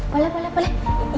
boleh boleh boleh